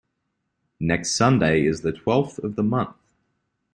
Next Sunday is the twelfth of the month.